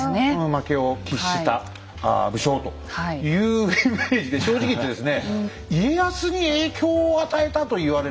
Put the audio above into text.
負けを喫した武将というイメージで正直言ってですね